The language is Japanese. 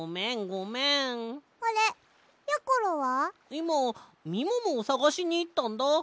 いまみももをさがしにいったんだ。